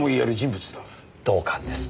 同感です。